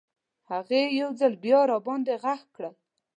هغې یو ځل بیا راباندې غږ کړل.